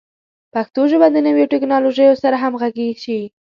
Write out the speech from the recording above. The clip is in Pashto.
پښتو ژبه د نویو ټکنالوژیو سره همغږي شي.